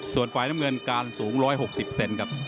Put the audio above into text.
ส่วนไฟล์น้ำเงินการสูง๑๖๐เซนติเมตรครับ